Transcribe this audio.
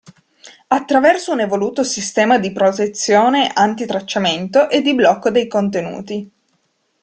Attraverso un evoluto sistema di protezione anti-tracciamento e di blocco dei contenuti.